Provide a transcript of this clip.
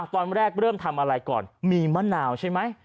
ตอนแรกเริ่มทำอะไรก่อนมีมะนาวใช่ไหม